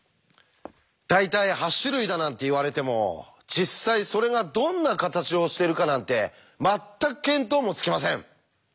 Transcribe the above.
大体８種類だなんて言われても実際それがどんな形をしているかなんて全く見当もつきません。